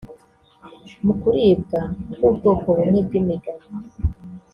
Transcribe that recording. mu kuribwa ku bwoko bumwe bw’imigano